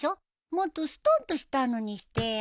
もっとストンとしたのにしてよ。